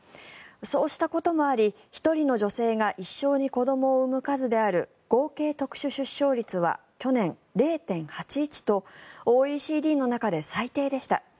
そうしたこともあり１人の女性が一生に子供を産む数である合計特殊出生率は去年、０．８１とＯＥＣＤの中で最低でした。